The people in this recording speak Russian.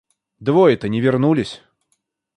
Двое-то не вернулись.